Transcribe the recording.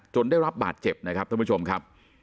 ได้รับบาดเจ็บนะครับท่านผู้ชมครับ